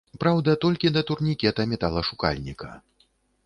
Праўда, толькі да турнікета-металашукальніка.